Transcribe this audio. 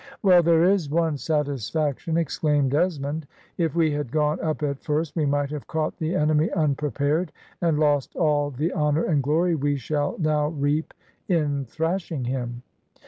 "Well, there is one satisfaction," exclaimed Desmond. "If we had gone up at first we might have caught the enemy unprepared, and lost all the honour and glory we shall now reap in thrashing him."